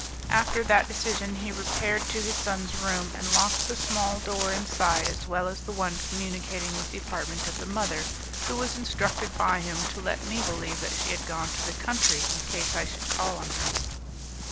After that decision he repaired to his son's room, and locked the small door inside as well as the one communicating with the apartment of the mother, who was instructed by him to let me believe that she had gone to the country, in case I should call on her.